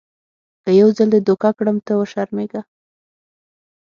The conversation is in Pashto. که یو ځل دې دوکه کړم ته وشرمېږه .